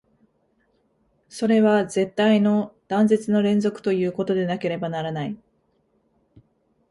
それは絶対の断絶の連続ということでなければならない。